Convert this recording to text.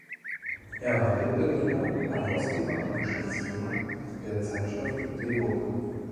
Er war Mitbegründer, -herausgeber und Geschäftsführer der Zeitschrift de:Bug.